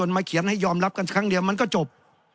มาเขียนให้ยอมรับกันครั้งเดียวมันก็จบ